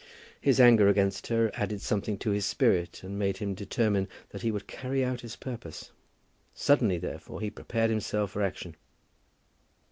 His anger against her added something to his spirit, and made him determine that he would carry out his purpose. Suddenly, therefore, he prepared himself for action.